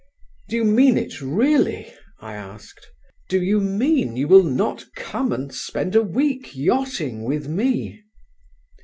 "Do you mean it really?" I asked. "Do you mean you will not come and spend a week yachting with me?"